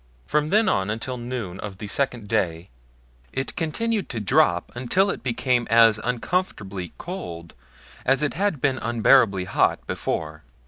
From then on until noon of the second day, it continued to drop until it became as uncomfortably cold as it had been unbearably hot before.